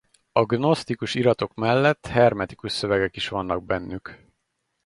A gnosztikus iratok mellett hermetikus szövegek is vannak bennük.